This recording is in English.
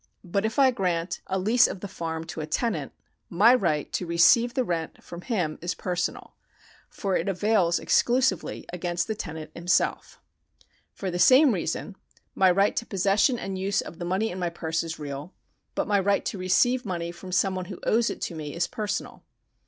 But if I grant a lease of the farm to a tenant, my right to receive the rent from him is personal ; for it avails exclusively against the tenant himself. For the same reason my right to the possessicn ar d § 81] THE KINDS OF LEGAL RIGHTS 203 use of the money in my purse is real ; but my right to receive money from some one who owes it to me is personal.